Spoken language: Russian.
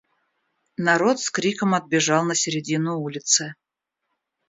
Народ с криком отбежал на середину улицы.